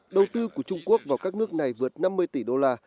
đầu tư của trung quốc vào các nước này vượt năm mươi tỷ đô la